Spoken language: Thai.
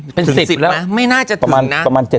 ถึง๑๐แล้วไม่น่าจะถึงนะประมาณ๗๐แล้ว